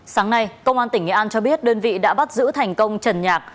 sáng nay công an tỉnh nghệ an cho biết đơn vị đã bắt giữ thành công trần nhạc